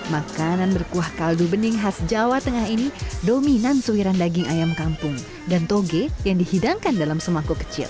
makanan berkuah kaldu bening khas jawa tengah ini dominan suiran daging ayam kampung dan toge yang dihidangkan dalam semangkuk kecil